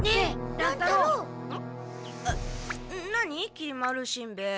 きり丸しんべヱ。